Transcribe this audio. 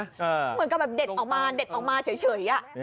เหมือนกับแบบเด็ดออกมาเด็ดออกมาเฉย